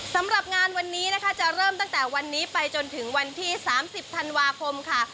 สำหรับงานวันนี้นะคะจะเริ่มตั้งแต่วันนี้ไปจนถึงวันที่๓๐ธันวาคมค่ะ